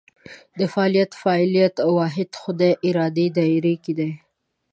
فعالیت فاعلیت واحد خدای ارادې دایره کې دي.